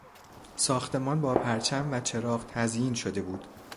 ساختمان با پرچم و چراغ تزیین شده بود.